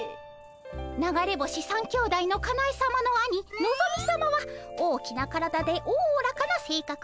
流れ星３兄弟のかなえさまの兄のぞみさまは大きな体でおおらかなせいかく。